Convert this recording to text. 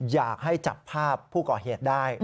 อยากให้จับภาพผู้ก่อเหตุได้